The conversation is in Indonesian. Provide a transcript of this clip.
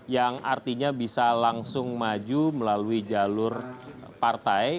yang artinya bisa langsung maju melalui jalur partai